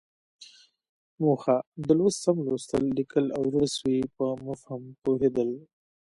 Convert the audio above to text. موخه: د لوست سم لوستل، ليکل او د زړه سوي په مفهوم پوهېدل.